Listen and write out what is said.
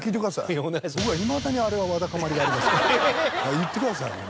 言ってください。